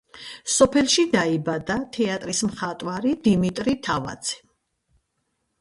სოფელში დაიბადა თეატრის მხატვარი დიმიტრი თავაძე.